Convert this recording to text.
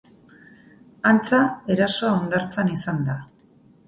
Antza, erasoa hondartzan izan da.